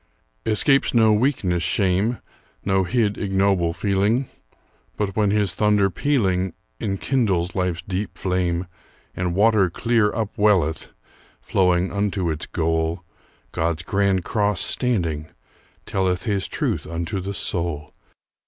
Escapes no weakness shame, No hid, ignoble feeling; But when his thunder pealing Enkindles life's deep flame, And water clear upwelleth, Flowing unto its goal, God's grand cross standing, telleth His truth unto the soul.